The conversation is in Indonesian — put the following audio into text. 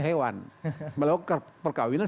hewan melakukan perkahwinan